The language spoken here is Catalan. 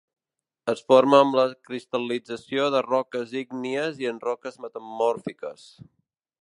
Es forma amb la cristal·lització de roques ígnies i en roques metamòrfiques.